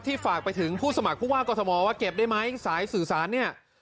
ฝากไปถึงผู้สมัครผู้ว่ากรทมว่าเก็บได้ไหมสายสื่อสารเนี่ย